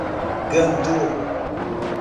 Gandu